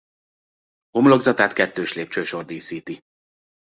Homlokzatát kettős lépcsősor díszíti.